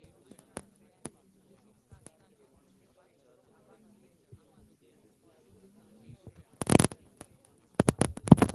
ডানহাতে ব্যাটিংয়ের পাশাপাশি ডানহাতে মিডিয়াম পেস বোলিং করে থাকেন।